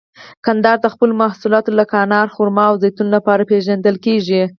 کندهار د خپلو محصولاتو لکه انار، خرما او زیتون لپاره پیژندل کیږي.